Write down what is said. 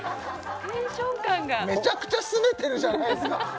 テンション感がめちゃくちゃすねてるじゃないですか